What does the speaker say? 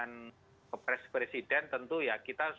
karena kalau diangkat kepres kita harus mengangkat kepres